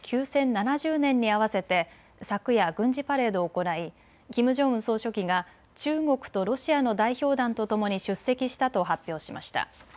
７０年に合わせて昨夜、軍事パレードを行い、キム・ジョンウン総書記が中国とロシアの代表団とともに出席したと発表しました。